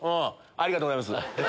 ありがとうございます。